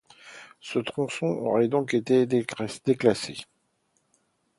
Ce tronçon aurait donc été déclassé.